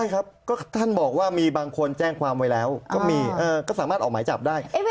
ใช่ครับก็ท่านบอกว่ามีบางคนแจ้งความไว้แล้วก็มีก็สามารถออกหมายจับได้